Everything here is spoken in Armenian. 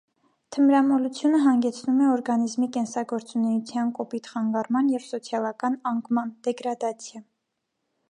Թմրամոլությունը հանգեցնում է օրգանիզմի կենսագործունեության կոպիտ խանգարման և սոցիալական անկման (դեգրադացիա)։